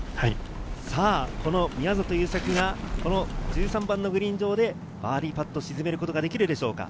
この宮里優作が１３番のグリーン上でバーディーパット、沈めることができるでしょうか？